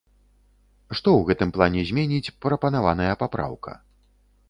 Што ў гэтым плане зменіць прапанаваная папраўка?